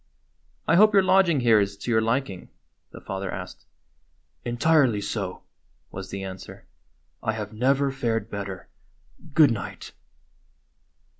"I hope your lodging here is to your liking?" the father asked. "Entirely so," was the answer. "I have never fared better. Good night."